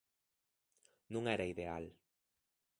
Non era ideal.